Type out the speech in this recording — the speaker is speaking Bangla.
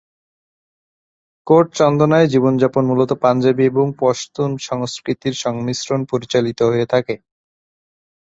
কোট চন্দনায় জীবনযাপন মূলত পাঞ্জাবি এবং পশতুন সংস্কৃতির সংমিশ্রণ পরিচালিত হয়ে থাকে।